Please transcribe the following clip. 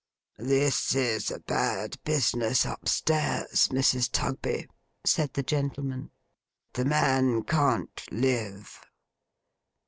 'This is a bad business up stairs, Mrs. Tugby,' said the gentleman. 'The man can't live.